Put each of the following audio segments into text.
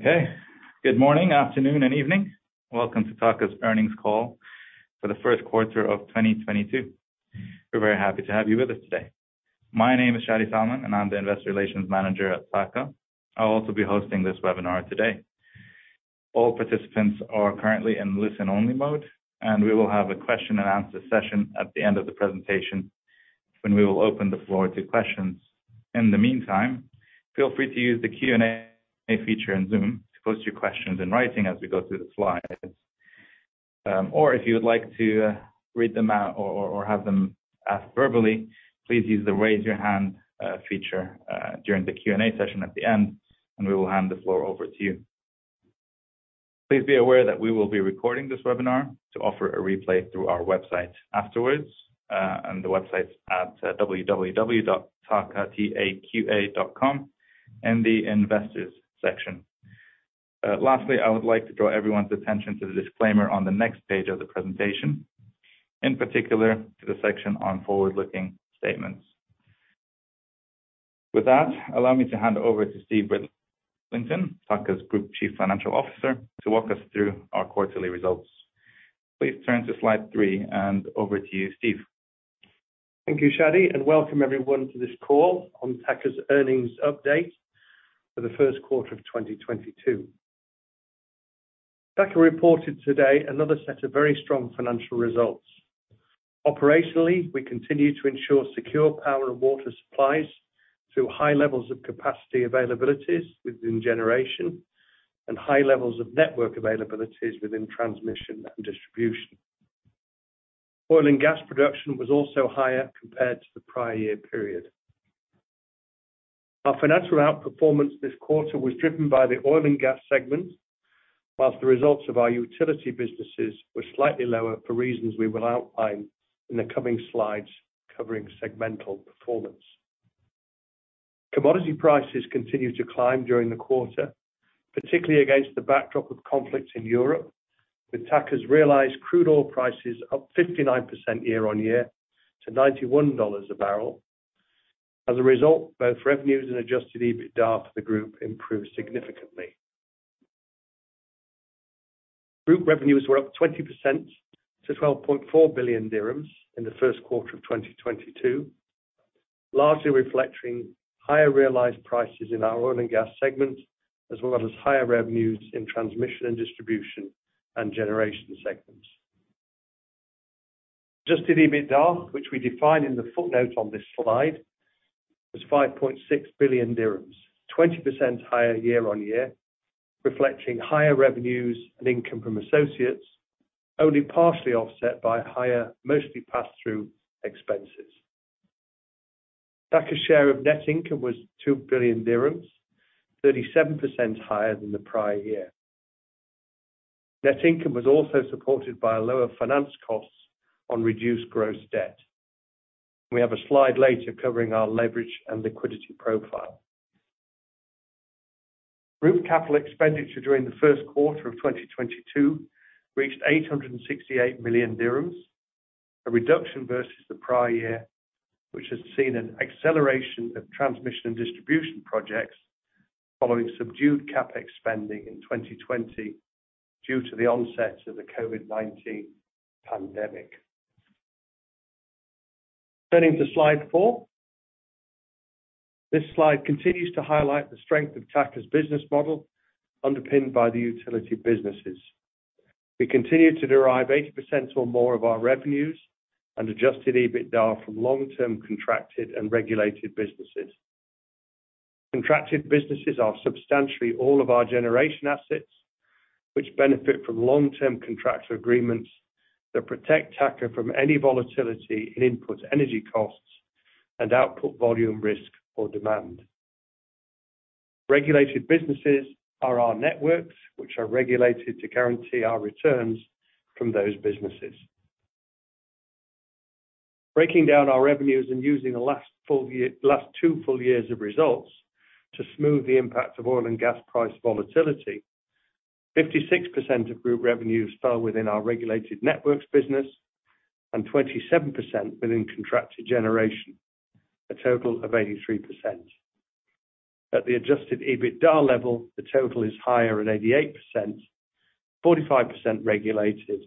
Okay. Good morning, afternoon, and evening. Welcome to TAQA's earnings call for the first quarter of 2022. We're very happy to have you with us today. My name is Shadi Salman, and I'm the investor relations manager at TAQA. I'll also be hosting this webinar today. All participants are currently in listen-only mode, and we will have a question-and-answer session at the end of the presentation when we will open the floor to questions. In the meantime, feel free to use the Q&A feature in Zoom to post your questions in writing as we go through the slides. Or if you would like to read them out or have them asked verbally, please use the raise your hand feature during the Q&A session at the end, and we will hand the floor over to you. Please be aware that we will be recording this webinar to offer a replay through our website afterwards, and the website's at www.taqa, T-A-Q-A, .com in the investors section. Lastly, I would like to draw everyone's attention to the disclaimer on the next page of the presentation, in particular to the section on forward-looking statements. With that, allow me to hand over to Steve Ridlington, TAQA's Group Chief Financial Officer, to walk us through our quarterly results. Please turn to slide side, and over to you, Steve. Thank you, Shadi, and welcome everyone to this call on TAQA's earnings update for the first quarter of 2022. TAQA reported today another set of very strong financial results. Operationally, we continue to ensure secure power and water supplies through high levels of capacity availabilities within generation and high levels of network availabilities within transmission and distribution. Oil and gas production was also higher compared to the prior year period. Our financial outperformance this quarter was driven by the oil and gas segment, while the results of our utility businesses were slightly lower for reasons we will outline in the coming slides covering segmental performance. Commodity prices continued to climb during the quarter, particularly against the backdrop of conflicts in Europe, with TAQA's realized crude oil prices up 59% year-on-year to $91 a barrel. As a result, both revenues and adjusted EBITDA for the group improved significantly. Group revenues were up 20% to 12.4 billion dirhams in the first quarter of 2022, largely reflecting higher realized prices in our oil and gas segment, as well as higher revenues in transmission and distribution and generation segments. Adjusted EBITDA, which we define in the footnote on this slide, was 5.6 billion dirhams, 20% higher year-on-year, reflecting higher revenues and income from associates, only partially offset by higher, mostly pass-through expenses. TAQA's share of net income was 2 billion dirhams, 37% higher than the prior year. Net income was also supported by lower finance costs on reduced gross debt. We have a slide later covering our leverage and liquidity profile. Group capital expenditure during the first quarter of 2022 reached 868 million dirhams, a reduction versus the prior year, which has seen an acceleration of transmission and distribution projects following subdued CapEx spending in 2020 due to the onset of the COVID-19 pandemic. Turning to slide four. This slide continues to highlight the strength of TAQA's business model, underpinned by the utility businesses. We continue to derive 80% or more of our revenues and adjusted EBITDA from long-term contracted and regulated businesses. Contracted businesses are substantially all of our generation assets, which benefit from long-term contractual agreements that protect TAQA from any volatility in input energy costs and output volume risk or demand. Regulated businesses are our networks, which are regulated to guarantee our returns from those businesses. Breaking down our revenues and using the last two full years of results to smooth the impact of oil and gas price volatility, 56% of group revenues fell within our regulated networks business and 27% within contracted generation, a total of 83%. At the adjusted EBITDA level, the total is higher at 88%, 45% regulated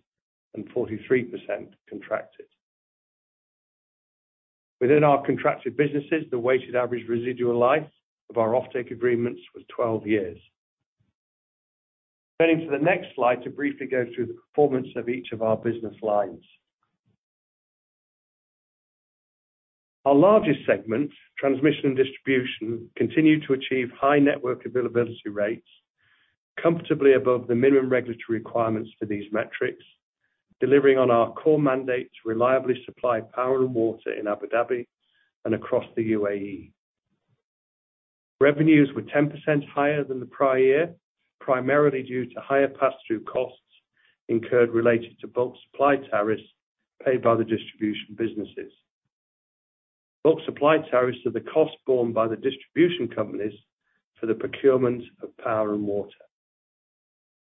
and 43% contracted. Within our contracted businesses, the weighted average residual life of our offtake agreements was 12 years. Turning to the next slide to briefly go through the performance of each of our business lines. Our largest segment, transmission and distribution, continued to achieve high network availability rates comfortably above the minimum regulatory requirements for these metrics, delivering on our core mandate to reliably supply power and water in Abu Dhabi and across the UAE. Revenues were 10% higher than the prior year, primarily due to higher pass-through costs incurred related to bulk supply tariffs paid by the distribution businesses. Bulk supply tariffs are the cost borne by the distribution companies for the procurement of power and water.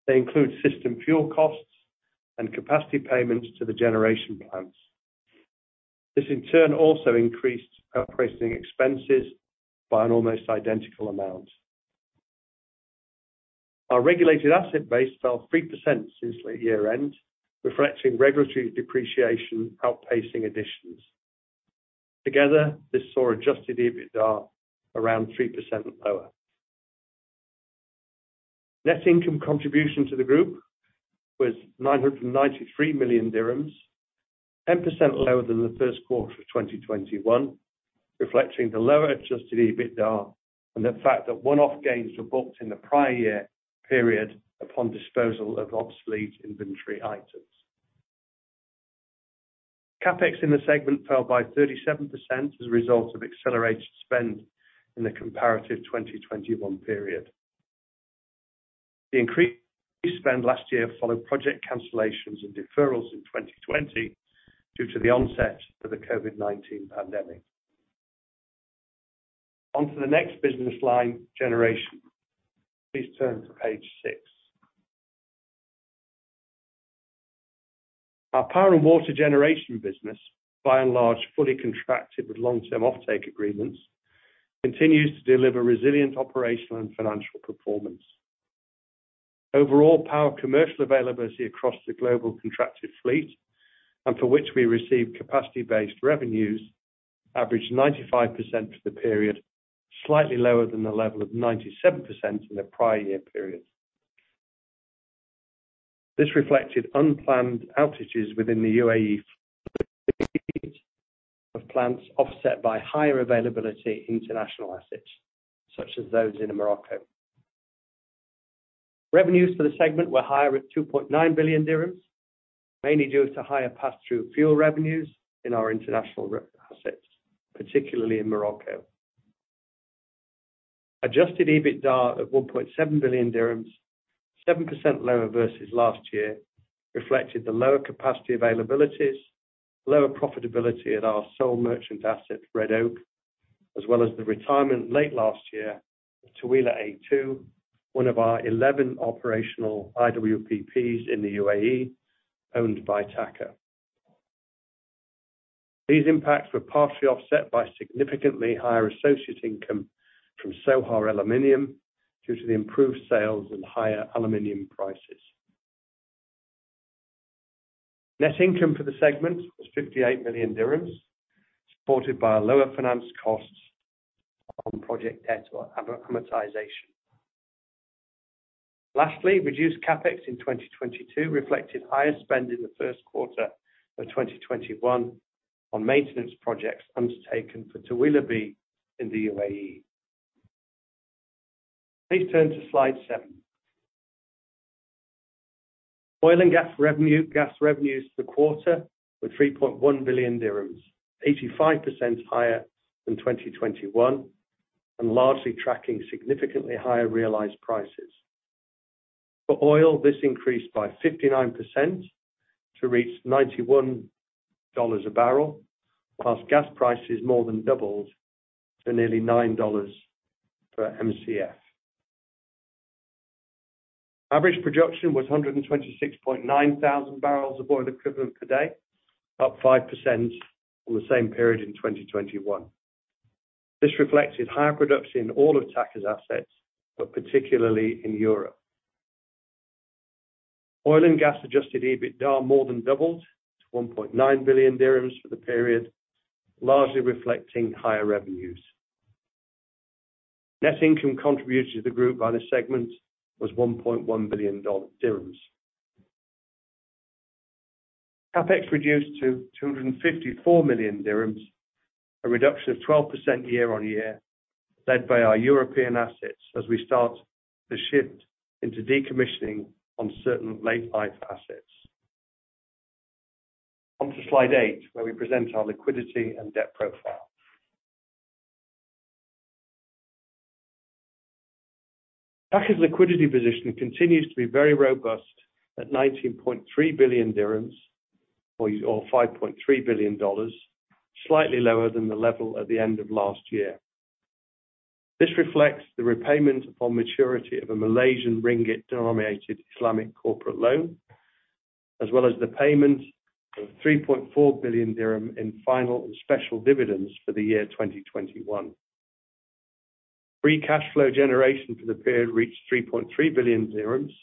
They include system fuel costs and capacity payments to the generation plants. This in turn also increased our pricing expenses by an almost identical amount. Our regulated asset base fell 3% since late year-end, reflecting regulatory depreciation outpacing additions. Together, this saw adjusted EBITDA around 3% lower. Net income contribution to the group was 993 million dirhams, 10% lower than the first quarter of 2021, reflecting the lower adjusted EBITDA and the fact that one-off gains were booked in the prior year period upon disposal of obsolete inventory items. CapEx in the segment fell by 37% as a result of accelerated spend in the comparative 2021 period. The increased spend last year followed project cancellations and deferrals in 2020 due to the onset of the COVID-19 pandemic. On to the next business line, generation. Please turn to page six. Our power and water generation business, by and large, fully contracted with long-term offtake agreements, continues to deliver resilient operational and financial performance. Overall power commercial availability across the global contracted fleet, and for which we receive capacity-based revenues, averaged 95% for the period, slightly lower than the level of 97% in the prior year period. This reflected unplanned outages within the UAE of plants offset by higher availability international assets, such as those in Morocco. Revenues for the segment were higher at 2.9 billion dirhams, mainly due to higher pass-through fuel revenues in our international assets, particularly in Morocco. Adjusted EBITDA of 1.7 billion dirhams, 7% lower versus last year, reflected the lower capacity availabilities, lower profitability at our sole merchant asset, Red Oak, as well as the retirement late last year of Taweelah A2, one of our 11 operational IWPPs in the UAE, owned by TAQA. These impacts were partially offset by significantly higher associate income from Sohar Aluminium due to the improved sales and higher aluminum prices. Net income for the segment was 58 million dirhams, supported by lower finance costs on project debt or amortization. Reduced CapEx in 2022 reflected higher spend in the first quarter of 2021 on maintenance projects undertaken for Taweelah B in the UAE. Please turn to slide seven. Oil and gas revenue, gas revenues for the quarter were 3.1 billion dirhams, 85% higher than 2021, and largely tracking significantly higher realized prices. For oil, this increased by 59% to reach $91 a barrel, while gas prices more than doubled to nearly $9 per Mcf. Average production was 126.9 thousand barrels of oil equivalent per day, up 5% from the same period in 2021. This reflected higher production in all of TAQA's assets, but particularly in Europe. Oil and gas adjusted EBITDA more than doubled to 1.9 billion dirhams for the period, largely reflecting higher revenues. Net income contributed to the group by the segment was 1.1 billion dirhams. CapEx reduced to 254 million dirhams, a reduction of 12% year-on-year, led by our European assets as we start to shift into decommissioning on certain late-life assets. On to slide eight, where we present our liquidity and debt profile. TAQA's liquidity position continues to be very robust at 19.3 billion dirhams, or $5.3 billion, slightly lower than the level at the end of last year. This reflects the repayment upon maturity of a Malaysian ringgit-denominated Islamic corporate loan, as well as the payment of 3.4 billion dirhams in final and special dividends for the year 2021. Free cash flow generation for the period reached 3.3 billion dirhams,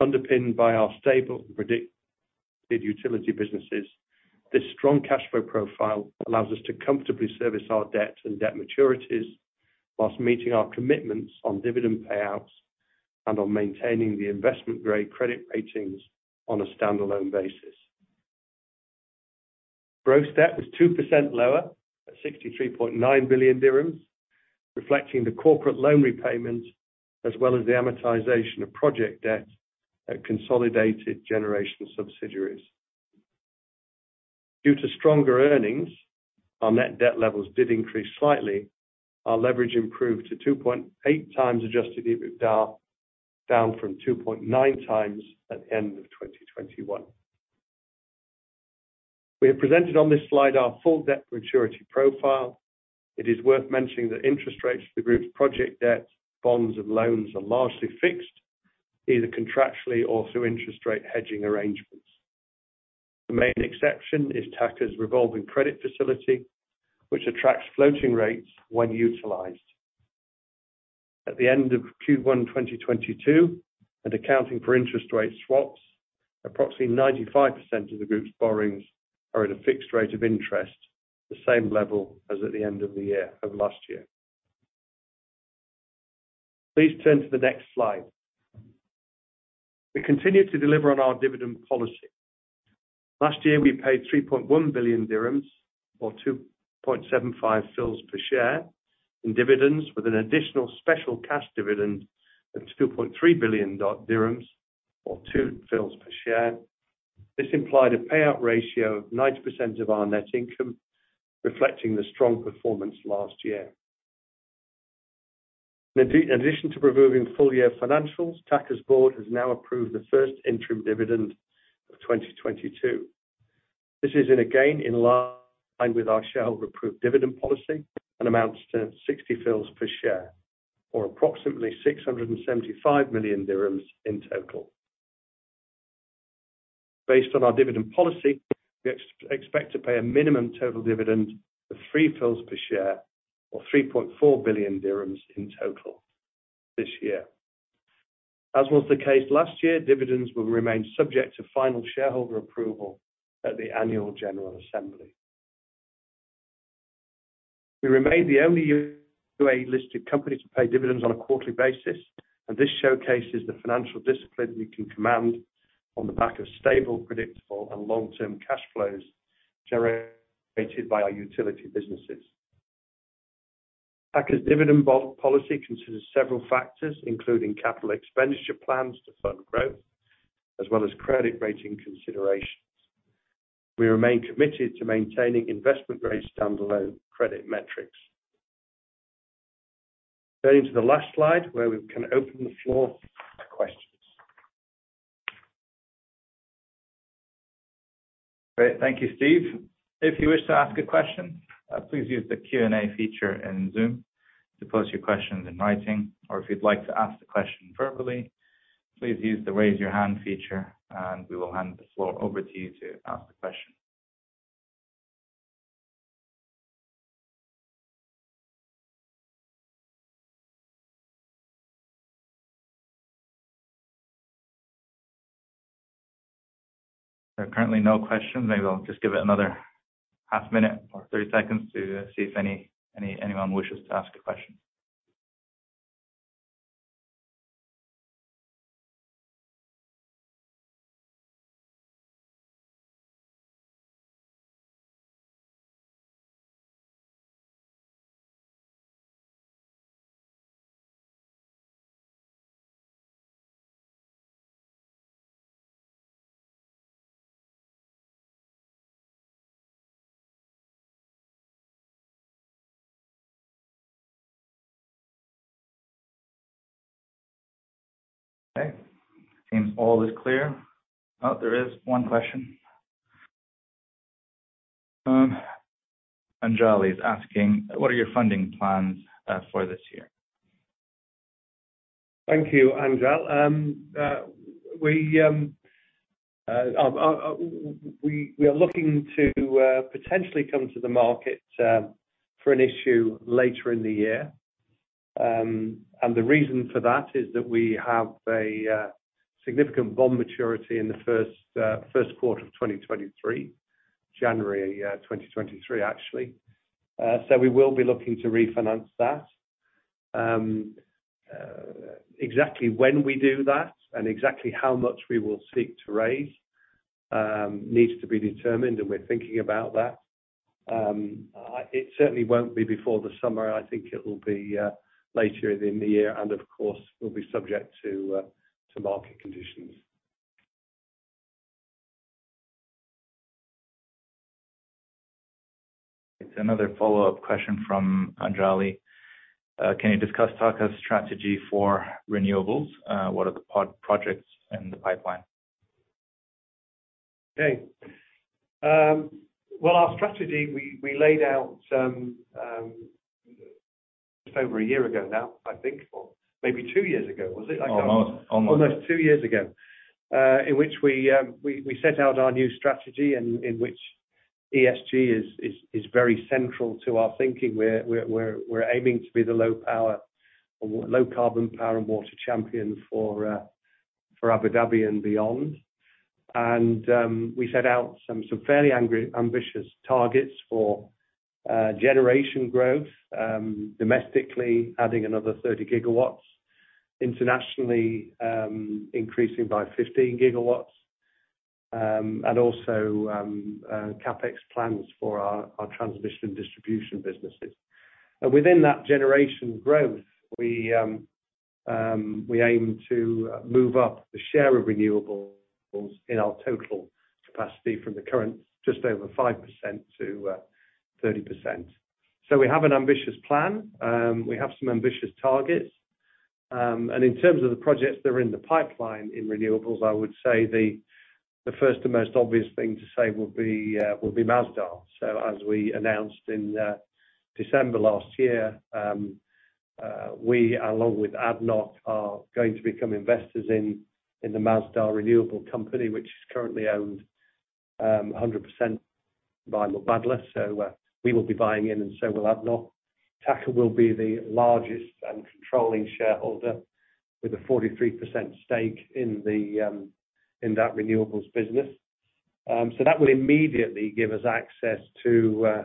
underpinned by our stable and predictable utility businesses. This strong cash flow profile allows us to comfortably service our debt and debt maturities while meeting our commitments on dividend payouts and on maintaining the investment-grade credit ratings on a standalone basis. Gross debt was 2% lower at 63.9 billion dirhams, reflecting the corporate loan repayments as well as the amortization of project debt at consolidated generation subsidiaries. Due to stronger earnings, our net debt levels did increase slightly. Our leverage improved to 2.8x adjusted EBITDA, down from 2.9x at the end of 2021. We have presented on this slide our full debt maturity profile. It is worth mentioning that interest rates for the group's project debts, bonds, and loans are largely fixed, either contractually or through interest rate hedging arrangements. The main exception is TAQA's revolving credit facility, which attracts floating rates when utilized. At the end of Q1 2022, accounting for interest rate swaps, approximately 95% of the group's borrowings are at a fixed rate of interest, the same level as at the end of the year of last year. Please turn to the next slide. We continue to deliver on our dividend policy. Last year, we paid 3.1 billion dirhams or 0.00275 AED per share in dividends, with an additional special cash dividend of 2.3 billion dirhams or 0.002 AED per share. This implied a payout ratio of 90% of our net income, reflecting the strong performance last year. In addition to approving full year financials, TAQA's board has now approved the first interim dividend of 2022. This is again in line with our shareholder-approved dividend policy and amounts to 60 fils per share, or approximately 675 million dirhams in total. Based on our dividend policy, we expect to pay a minimum total dividend of 3 fils per share, or 3.4 billion dirhams in total this year. As was the case last year, dividends will remain subject to final shareholder approval at the annual general assembly. We remain the only UAE-listed company to pay dividends on a quarterly basis, and this showcases the financial discipline we can command on the back of stable, predictable, and long-term cash flows generated by our utility businesses. TAQA's dividend policy considers several factors, including capital expenditure plans to fund growth, as well as credit rating considerations. We remain committed to maintaining investment-grade standalone credit metrics. Going to the last slide, where we can open the floor to questions. Great. Thank you, Steve. If you wish to ask a question, please use the Q&A feature in Zoom to pose your questions in writing. Or if you'd like to ask the question verbally, please use the Raise Your Hand feature, and we will hand the floor over to you to ask the question. There are currently no questions. Maybe I'll just give it another half minute or 30 seconds to see if anyone wishes to ask a question. Okay, seems all is clear. Oh, there is one question. Anjali is asking, what are your funding plans for this year? Thank you, Anjali. We are looking to potentially come to the market for an issue later in the year. The reason for that is that we have a significant bond maturity in the first quarter of 2023, January 2023, actually. We will be looking to refinance that. Exactly when we do that and exactly how much we will seek to raise needs to be determined, and we're thinking about that. It certainly won't be before the summer. I think it will be later in the year, and of course, will be subject to market conditions. It's another follow-up question from Anjali. Can you discuss TAQA's strategy for renewables? What are the pod-projects in the pipeline? Okay. Well, our strategy, we laid out some just over a year ago now, I think, or maybe two years ago, was it? I can't. Almost. Almost two years ago, in which we set out our new strategy in which ESG is very central to our thinking. We're aiming to be the low power or low carbon power and water champion for Abu Dhabi and beyond. We set out some fairly ambitious targets for generation growth, domestically adding another 30 GW, internationally increasing by 15 GW, and also CapEx plans for our transmission and distribution businesses. Within that generation growth, we aim to move up the share of renewables in our total capacity from the current just over 5% to 30%. We have an ambitious plan. We have some ambitious targets. In terms of the projects that are in the pipeline in renewables, I would say the first and most obvious thing to say would be Masdar. As we announced in December last year, we along with ADNOC are going to become investors in the Masdar renewable company, which is currently owned 100% by Mubadala. We will be buying in and so will ADNOC. TAQA will be the largest and controlling shareholder with a 43% stake in that renewables business. That will immediately give us access to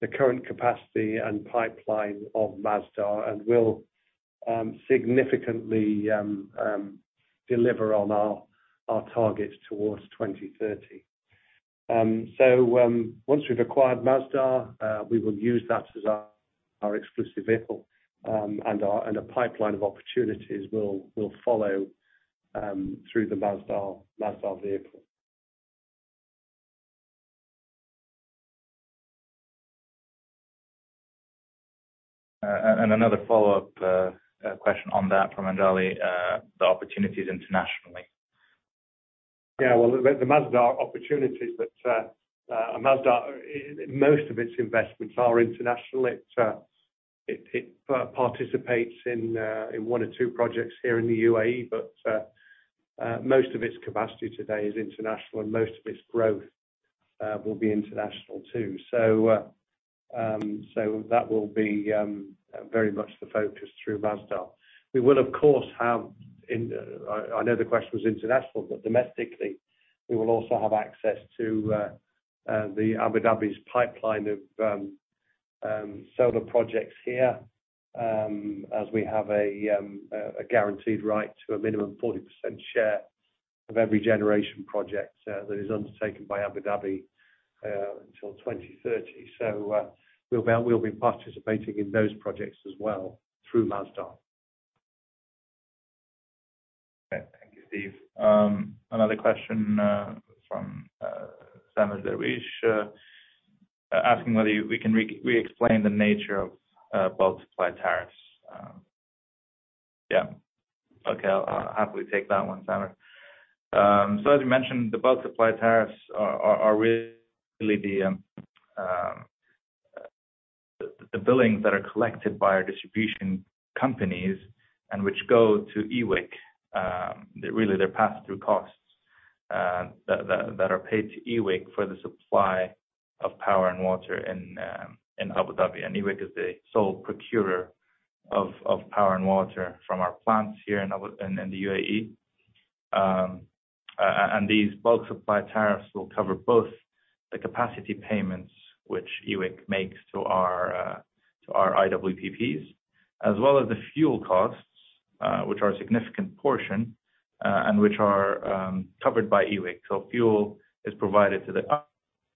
the current capacity and pipeline of Masdar and will significantly deliver on our targets towards 2030. Once we've acquired Masdar, we will use that as our exclusive vehicle. A pipeline of opportunities will follow through the Masdar vehicle. Another follow-up question on that from Anjali, the opportunities internationally. Yeah. Well, the Masdar opportunities. Most of its investments are international. It participates in one or two projects here in the UAE, but most of its capacity today is international, and most of its growth will be international too. That will be very much the focus through Masdar. I know the question was international, but domestically, we will also have access to the Abu Dhabi's pipeline of solar projects here, as we have a guaranteed right to a minimum 40% share of every generation project that is undertaken by Abu Dhabi until 2030. We'll be participating in those projects as well through Masdar. Okay. Thank you, Steve. Another question from Sam Zarrush asking whether we can re-explain the nature of bulk supply tariffs. Yeah. Okay. I'll happily take that one, Sam. So as you mentioned, the bulk supply tariffs are really the billings that are collected by our distribution companies and which go to EWEC. Really, they're pass-through costs that are paid to EWEC for the supply of power and water in Abu Dhabi. EWEC is the sole procurer of power and water from our plants here in the UAE. These bulk supply tariffs will cover both the capacity payments which EWEC makes to our IWPPs, as well as the fuel costs, which are a significant portion, and which are covered by EWEC. Fuel is provided to the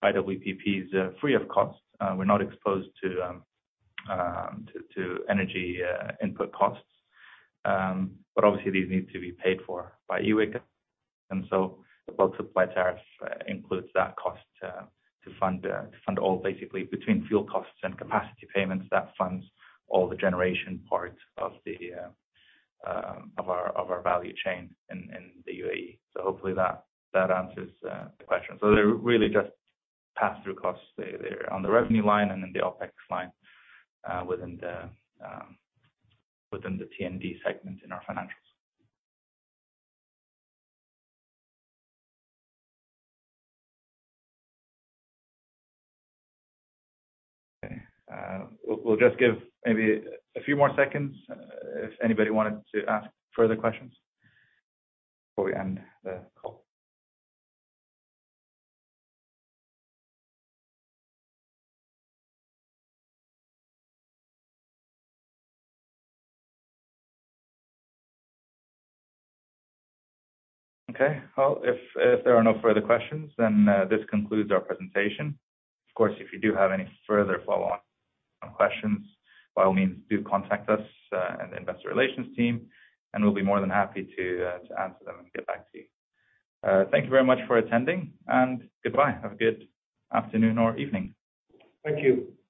IWPPs, free of cost. We're not exposed to energy input costs. Obviously these need to be paid for by EWEC. The bulk supply tariff includes that cost to fund all basically between fuel costs and capacity payments that funds all the generation part of our value chain in the UAE. Hopefully that answers the question. They're really just pass-through costs. They're on the revenue line and in the OpEx line within the T&D segment in our financials. Okay. We'll just give maybe a few more seconds if anybody wanted to ask further questions before we end the call. Okay. Well, if there are no further questions, then this concludes our presentation. Of course, if you do have any further follow-on questions, by all means, do contact us in the investor relations team, and we'll be more than happy to answer them and get back to you. Thank you very much for attending, and goodbye. Have a good afternoon or evening. Thank you.